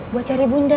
buat cari bunda